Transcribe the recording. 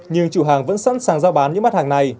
nhưng chủ hàng vẫn sẵn sàng giao bán những mặt hàng này